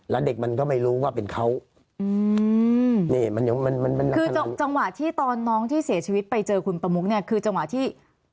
แล้วเด็กมันก็ไม่รู้ว่าเป็นเขาอืมนี่มันยังมันมันคือจังหวะที่ตอนน้องที่เสียชีวิตไปเจอคุณประมุกเนี่ยคือจังหวะที่